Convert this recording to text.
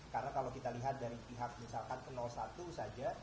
karena kalau kita lihat dari pihak misalkan ke satu saja